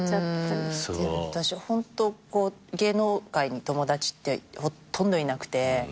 でも私ホント芸能界に友達ってほとんどいなくて。